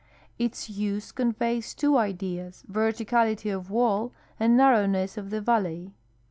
Its use conveys two ideas, verticality of wall and nar rowness of the valley.